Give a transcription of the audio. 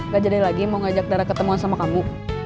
gak jadi lagi mau ngajak dara ketemuan sama kamu